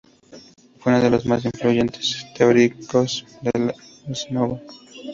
Fue uno de los más influyentes teóricos del "Ars nova".